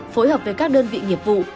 phối hợp với các đơn vị nghiệp vụ